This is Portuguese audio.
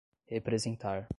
representar